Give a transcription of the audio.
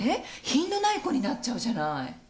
品のない子になっちゃうじゃない。